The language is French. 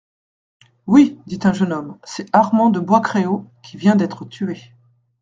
Oui, dit un jeune homme, c'est Armand de Bois-Créault qui vient d'être tué.